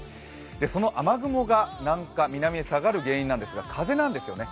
その雨雲が南下する原因なんですが風なんですよね。